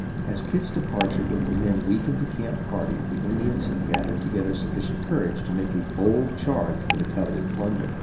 As Kit's departure with the men weakened the camp party the Indians had gathered together sufficient courage to make a bold charge for the coveted plunder.